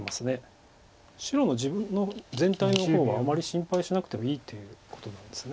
白も自分の全体の方はあまり心配しなくてもいいっていうことなんです。